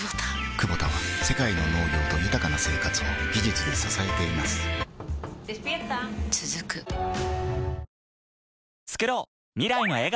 クボタは世界の農業と豊かな生活を技術で支えています起きて。